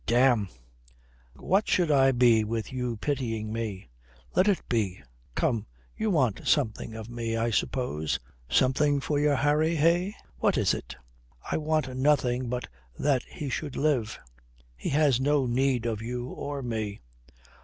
Damme, what should I be with you pitying me? Let it be. Come, you want something of me, I suppose. Something for your Harry, eh? What is it?" "I want nothing but that he should live. He has no need of you or me."